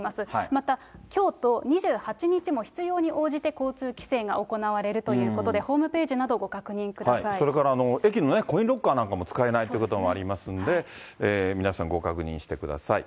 また、きょうと２８日も必要に応じて、交通規制が行われるということで、それから駅のね、コインロッカーなんかも使えないということもありますんで、皆さん、ご確認してください。